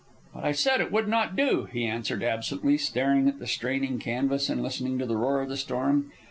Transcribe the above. "But I said it would not do," he answered, absently, staring at the straining canvas and listening to the roar of the storm.